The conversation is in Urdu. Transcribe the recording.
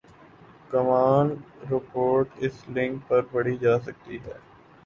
کمل رپورٹ اس لنک پر پڑھی جا سکتی ہے ۔